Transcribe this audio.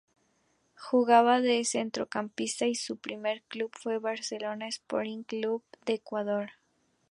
Jugaba de centrocampista y su primer club fue el Barcelona Sporting Club de Ecuador.